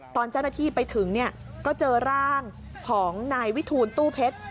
ตอนเจ้าหน้าที่ไปถึงก็เจอร่างของนายวิทูลตู้เพชร